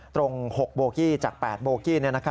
ตรง๖โบกี้จาก๘โบกี้